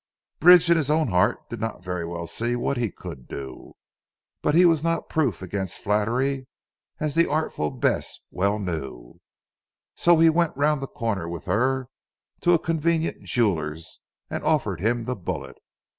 Bridge in his own heart did not very well see what he could do. But he was not proof against flattery as the artful Bess well knew, so he went round the corner with her to a convenient jeweller's and offered him the bullet.